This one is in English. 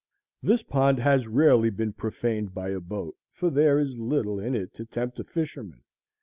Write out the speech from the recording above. This pond has rarely been profaned by a boat, for there is little in it to tempt a fisherman.